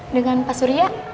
dengan pak surya